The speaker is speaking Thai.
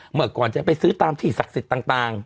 เมื่อก่อนจะไปซื้อตามที่ศักดิ์สิทธิ์ต่าง